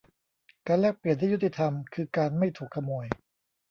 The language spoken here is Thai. การแลกเปลี่ยนที่ยุติธรรมคือการไม่ถูกขโมย